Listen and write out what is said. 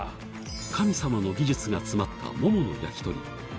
神様の技術が詰まったももの焼き鳥。